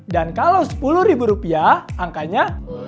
dan kalau sepuluh ribu rupiah angkanya sepuluh